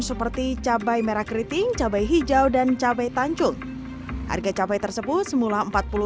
seperti cabai merah keriting cabai hijau dan cabai tanjung harga cabai tersebut semula